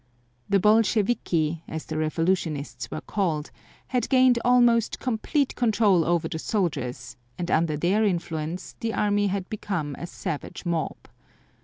The Bolsheviki, as the revolutionists were called, had gained almost complete control over the soldiers, and under their influence the army had become a savage mob.